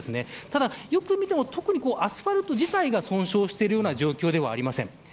ただよく見ても特にアスファルト自体が損傷しているような状況ではありません。